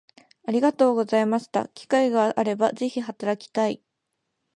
ありがとうございました機会があれば是非働きたい